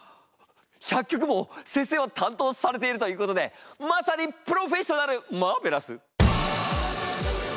１００曲も先生は担当されているということでまさにプロフェッショナルマーベラス。